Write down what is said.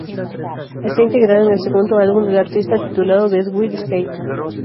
Está integrada en el segundo álbum de la artista, titulado "The Sweet Escape".